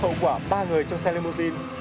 hậu quả ba người trong xe limousine